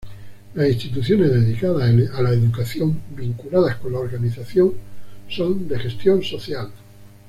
Las instituciones dedicadas a la educación vinculadas con la organización son de gestión social.